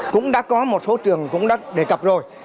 cũng đã có một số trường cũng đã đề cập rồi